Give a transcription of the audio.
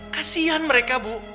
kasihan mereka bu